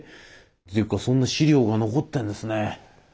というかそんな資料が残ってんですね。